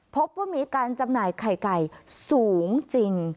พบว่ามีการจำหน่ายไข่ไก่สูงจริง